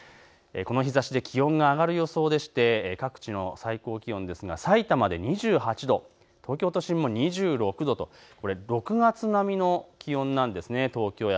この日ざしで気温が上がる予想でして各地の最高気温、さいたまで２８度、東京都心も２６度と６月並みの気温なんです。